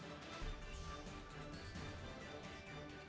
above pemilihan sejak superb jnp